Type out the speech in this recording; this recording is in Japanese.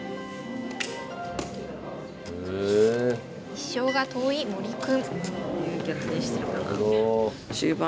１勝が遠い森君。